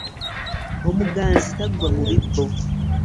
Omuganzi taggwa mu bibbo .